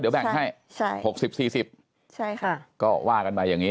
เดี๋ยวแบ่งให้๖๐๔๐ก็ว่ากันมาอย่างนี้